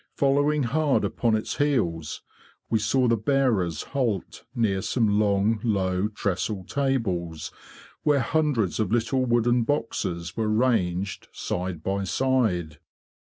Following hard upon its heels, we saw the bearers halt near some long, low trestle tables, where hundreds of little wooden boxes were ranged side by side.